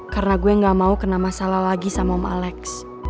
karena gue gak mau kena masalah lagi sama om alex